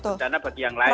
satu perdana bagi yang lain